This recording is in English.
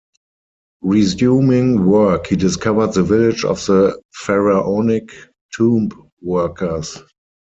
Resuming work, he discovered the village of the Pharaonic tomb-workers.